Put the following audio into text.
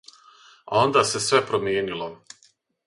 А онда се све променило.